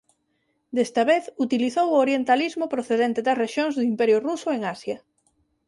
Desta vez utilizou o orientalismo procedente das rexións do Imperio Ruso en Asia.